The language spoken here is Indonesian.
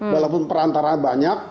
walaupun perantara banyak